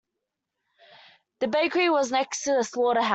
The bakery was next to the slaughterhouse.